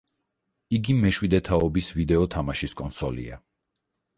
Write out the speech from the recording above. იგი მეშვიდე თაობის ვიდეო თამაშის კონსოლია.